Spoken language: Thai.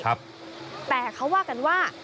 แต่เขาว่ากันว่า